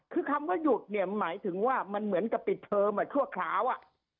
คือคำว่าหยุดเนี่ยหมายถึงว่ามันเหมือนกับปิดเทอมชั่วคราวอ่ะ